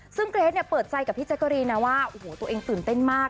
ซึ่งเกรทเนี่ยเปิดใจกับพี่แจ๊กกะรีนนะว่าโอ้โหตัวเองตื่นเต้นมาก